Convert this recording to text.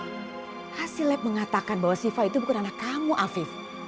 hasil lab mengatakan bahwa siva itu bukan anak kamu afif